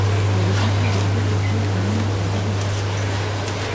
Mais le conseil de préfecture annule ce résultat.